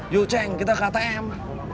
yuk ceng kita ke atm